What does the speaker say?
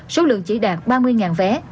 số lượng chỉ đạt ba mươi vé